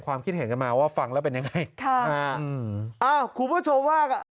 ความคิดเห็นกันมาว่าฟังแล้วเป็นยังไงคุณผู้ชมว่า